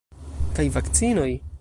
Kaj vakcinoj!